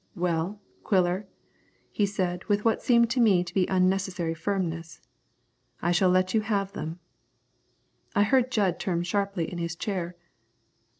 "Well, Quiller," he said, with what seemed to me to be unnecessary firmness, "I shall let you have them." I heard Jud turn sharply in his chair.